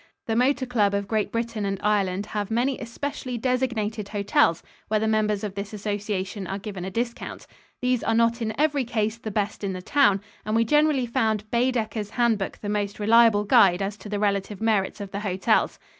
The Motor Club of Great Britain and Ireland have many especially designated hotels where the members of this association are given a discount. These are not in every case the best in the town, and we generally found Baedeker's Hand Book the most reliable guide as to the relative merits of the hotels.